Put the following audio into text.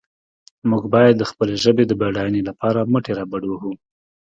موږ باید د خپلې ژبې د بډاینې لپاره مټې رابډ وهو.